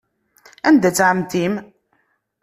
Anda-tt ɛemmti-m?